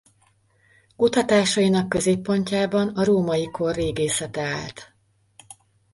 Kutatásainak középpontjában a római kor régészete állt.